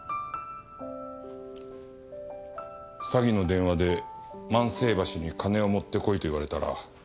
詐欺の電話で万世橋に金を持ってこいと言われたら。